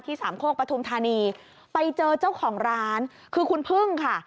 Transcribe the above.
สามโคกปฐุมธานีไปเจอเจ้าของร้านคือคุณพึ่งค่ะ